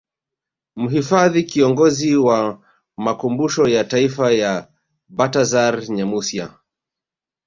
Mhifadhi Kiongozi wa Makumbusho ya Taifa ni Bartazar Nyamusya